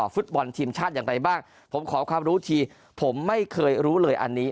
ฟุตบอลทีมชาติอย่างไรบ้างผมขอความรู้ทีผมไม่เคยรู้เลยอันนี้